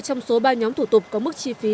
trong số ba nhóm thủ tục có mức chi phí